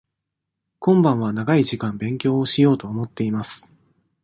今晩は長い時間勉強しようと思っています。